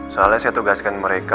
soalnya saya tugaskan mereka